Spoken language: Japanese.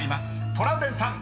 トラウデンさん］